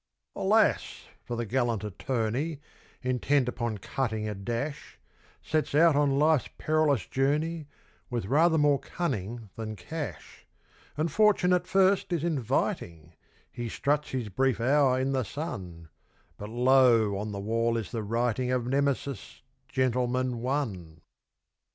Alas! for the gallant attorney, Intent upon cutting a dash, Sets out on life's perilous journey With rather more cunning than cash. And fortune at first is inviting He struts his brief hour in the sun But, lo! on the wall is the writing Of Nemesis, "Gentleman, One".